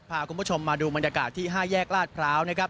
พาคุณผู้ชมมาดูมันยากาศที่ห้ายแยกลาดพร้าว